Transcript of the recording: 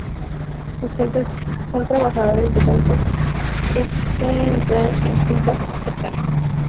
Sus gentes son trabajadores de campos que se emplean en fincas cercanas.